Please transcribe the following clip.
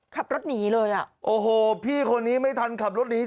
ขับรถหนีเลยอ่ะโอ้โหพี่คนนี้ไม่ทันขับรถหนี